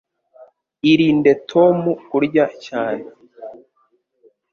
Irinde Tom kurya cyane.